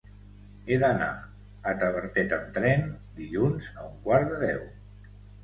He d'anar a Tavertet amb tren dilluns a un quart de deu.